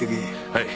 はい。